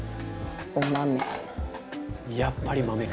「やっぱり豆か」